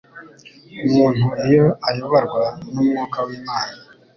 Umuntu iyo ayoborwa n'Umwuka w'Imana,